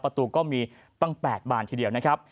ก็มีตั้ง๘บานทีเดียวนะครับ